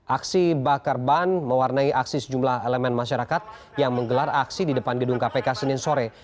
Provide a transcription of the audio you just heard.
aksi bakar ban mewarnai aksi sejumlah elemen masyarakat yang menggelar aksi di depan gedung kpk senin sore